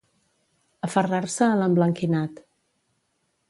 Aferrar-se a l'emblanquinat.